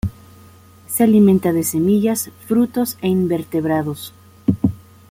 Se alimenta de semillas, frutos, e invertebrados.